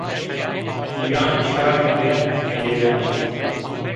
Mîyanê şarî de gêreno